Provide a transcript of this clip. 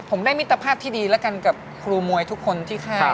ผมได้มิตรภาพที่ดีแล้วกันกับครูมวยทุกคนที่ฆ่า